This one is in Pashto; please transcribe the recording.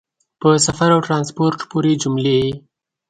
په سفر او ټرانسپورټ پورې جملې